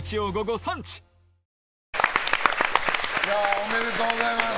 おめでとうございます。